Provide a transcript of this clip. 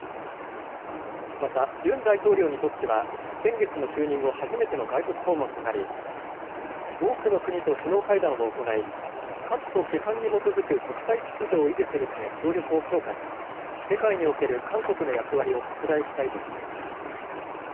またユン大統領にとっては先月の就任後、初めての外国訪問となり多くの国と首脳会談を行い価値と規範に基づく国際秩序を維持するため協力を強化し世界における韓国の役割を拡大したいとしています。